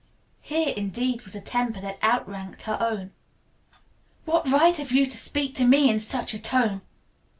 Here, indeed was a temper that outranked her own. "What right have you to speak to me in such a tone?"